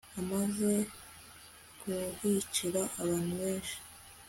amaze kuhicira abantu benshi